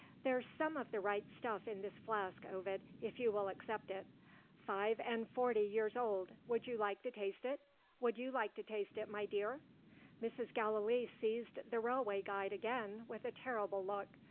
"There's some of the right stuff in this flask, Ovid, if you will accept it. Five and forty years old would you like to taste it? Would you like to taste it, my dear?" Mrs. Gallilee seized the "Railway Guide" again, with a terrible look.